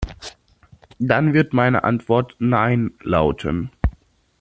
Dann wird meine Antwort "Nein" lauten.